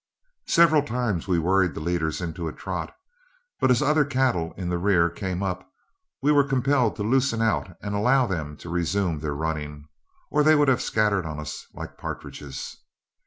Several times we worried the leaders into a trot, but as other cattle in the rear came up, we were compelled to loosen out and allow them to resume their running, or they would have scattered on us like partridges.